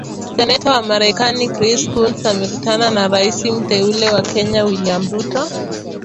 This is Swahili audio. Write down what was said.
Seneta wa Marekani Chris Coons amekutana na rais mteule wa Kenya William Ruto